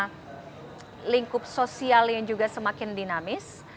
semakin tinggi apakah memang karena lingkup sosial yang juga semakin dinamis